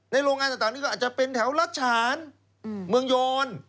โรงงานต่างนี้ก็อาจจะเป็นแถวรัชฉานเมืองยอน